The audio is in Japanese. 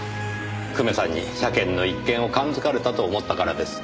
久米さんに車券の一件を感づかれたと思ったからです。